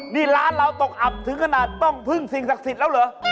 นี่ร้านเราตกอับถึงขนาดต้องพึ่งสิ่งศักดิ์สิทธิ์แล้วเหรอ